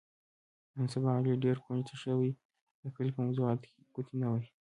نن سبا علي ډېر کونج ته شوی، د کلي په موضاتو ګوتې نه وهي.